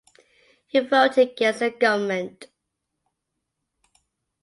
He voted against the Government.